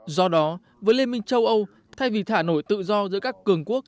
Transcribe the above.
do đó với liên minh châu âu thay vì thả nổi tự do giữa các cường quốc